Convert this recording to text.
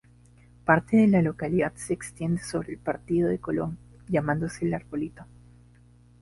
Parte de la localidad se extiende sobre el partido de Colón, llamándose El Arbolito.